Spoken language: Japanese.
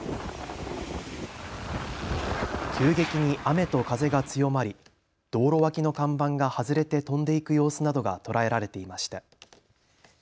急激に雨と風が強まり道路脇の看板が外れて飛んでいく様子などが捉えられていました。